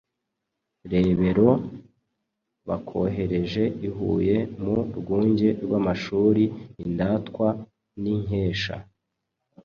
Rebero: Bakohereje i Huye mu Rwunge rw’Amashuri Indatwa n’Inkesha